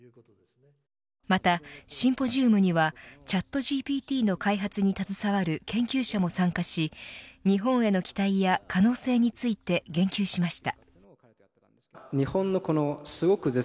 またシンポジウムにはチャットＧＰＴの開発に携わる研究者も参加し日本への期待や可能性について言及しました。